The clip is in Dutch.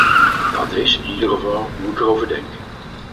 Dat is, in ieder geval, hoe ik erover denk.